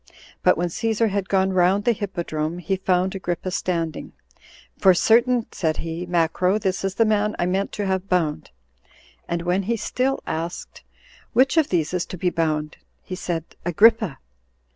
But when Cæsar had gone round the hippodrome, he found Agrippa standing: "For certain," said he, "Macro, this is the man I meant to have bound;" and when he still asked, "Which of these is to be bound?" he said "Agrippa."